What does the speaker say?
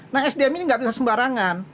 nah sdm ini nggak bisa sembarangan